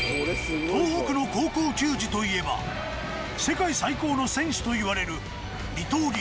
東北の高校球児といえば世界最高の選手といわれる二刀流